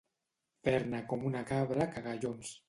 Fer-ne com una cabra cagallons.